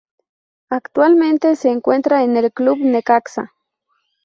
Actualmente se encuentra en el club Necaxa.